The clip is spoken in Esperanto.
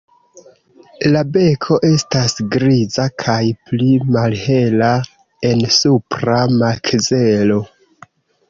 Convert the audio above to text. La beko estas griza kaj pli malhela en supra makzelo.